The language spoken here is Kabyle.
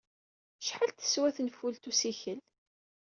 Acḥal teswa tenfult ussikel?